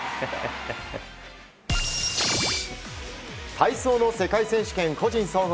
体操の世界選手権個人総合。